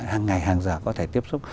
hàng ngày hàng giờ có thể tiếp xúc